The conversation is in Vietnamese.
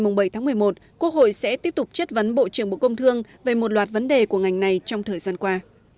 chúng tôi sẽ tiếp tục chất vấn bộ trưởng bộ công thương về một loạt vấn đề của ngành này trong thời gian qua